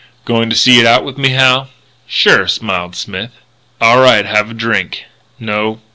"Goin' to see it out with me, Hal?" "Sure," smiled Smith. "Aw' right. Have a drink?" "No."